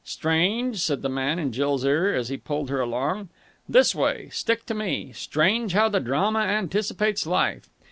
"Strange," said the man in Jill's ear, as he pulled her along. "This way. Stick to me. Strange how the drama anticipates life!